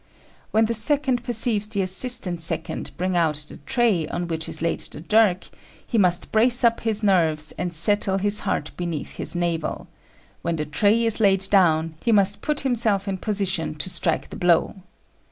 When the second perceives the assistant second bring out the tray on which is laid the dirk, he must brace up his nerves and settle his heart beneath his navel: when the tray is laid down, he must put himself in position to strike the blow.